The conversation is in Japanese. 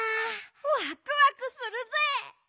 ワクワクするぜ！